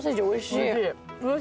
おいしい。